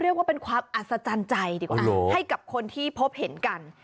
เรียกว่าเป็นความอัศจรรย์ใจดีกว่าให้กับคนที่พบเห็นกัน